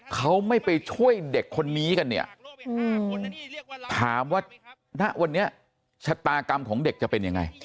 เขาไม่ไปช่วยเด็กคนนี้กันเนี่ยถามว่าณวันนี้ชะตากรรมของเด็กจะเป็นยังไง